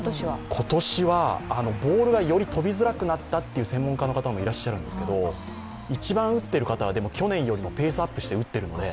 今年はボールがより飛びづらくなったという専門家の方もいらっしゃるんですけど、１番打ってる方は去年よりもペースアップして打ってるので。